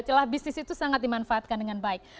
celah bisnis itu sangat dimanfaatkan dengan baik